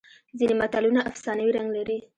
ځینې متلونه افسانوي رنګ لري